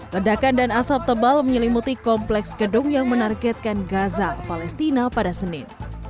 ledakan dan asap tebal menyelimuti kompleks gedung yang menargetkan gaza palestina pada senin